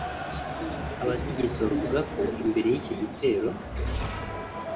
Abategetsi bavuga ko imbere y’icyo gitero